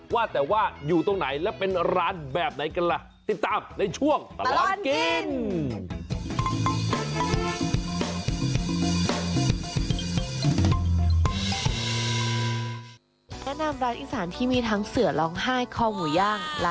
ว่าแต่ว่าอยู่ตรงไหนและเป็นร้านแบบไหนกันล่ะ